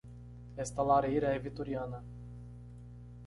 Esta lareira é vitoriana.